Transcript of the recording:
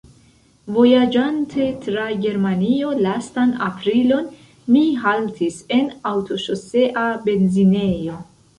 Vojaĝante tra Germanio lastan aprilon, mi haltis en aŭtoŝosea benzinejo.